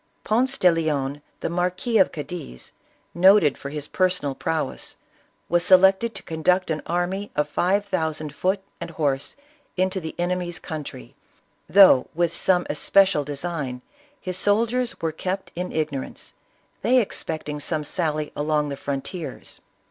Ponce de Leon, the Marquis 84 ISABELLA OF CASTILE. of Cadiz, noted for his personal prowess, was selected to conduct an army of five thousand foot and horse into the enemy's country, though, with some especial design, his soldiers were kept in ignorance, they ex pecting some sally along the frontiers.